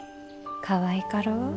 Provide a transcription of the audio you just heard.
かわいかろう。